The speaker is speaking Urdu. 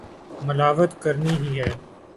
ملاوٹ کرنی ہی ہے۔